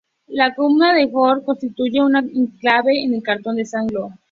La comuna de Horn constituye un enclave en el cantón de San Galo.